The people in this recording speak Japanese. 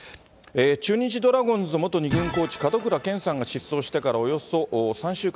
中日ドラゴンズの元コーチ、門倉健さんが失踪してからおよそ３週間。